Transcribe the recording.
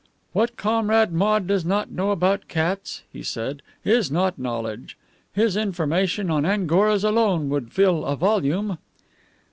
"What Comrade Maude does not know about cats," he said, "is not knowledge. His information on Angoras alone would fill a volume."